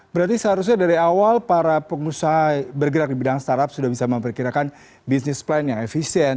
berarti seharusnya dari awal para pengusaha bergerak di bidang startup sudah bisa memperkirakan bisnis plan yang efisien